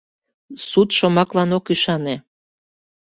— Суд шомаклан ок ӱшане.